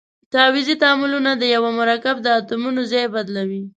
تعویضي تعاملونه د یوه مرکب د اتومونو ځای بدلوي.